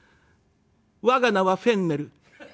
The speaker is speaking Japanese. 「我が名はフェンネル。